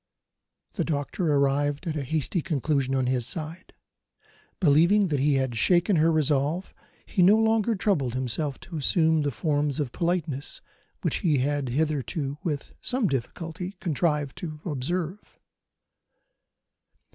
The doctor arrived at a hasty conclusion, on his side. Believing that he had shaken her resolution, he no longer troubled himself to assume the forms of politeness which he had hitherto, with some difficulty, contrived to observe.